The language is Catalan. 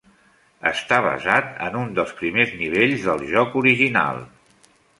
Està basat en un dels primers nivells del joc original.